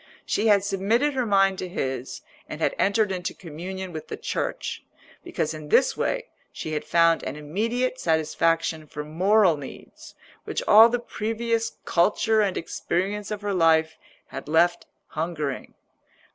She had submitted her mind to his and had entered into communion with the Church, because in this way she had found an immediate satisfaction for moral needs which all the previous culture and experience of her life had left hungering.